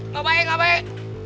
ga baik ga baik